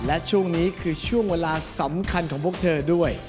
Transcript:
และช่วงนี้คือช่วงเวลาสำคัญของพวกเธอด้วย